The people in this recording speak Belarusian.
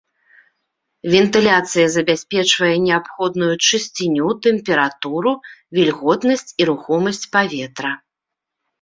Вентыляцыя забяспечвае неабходную чысціню, тэмпературу, вільготнасць і рухомасць паветра.